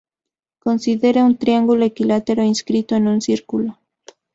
Considere un triángulo equilátero inscrito en un círculo.